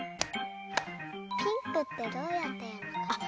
ピンクってどうやっていうのかな？